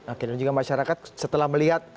oke dan juga masyarakat setelah melihat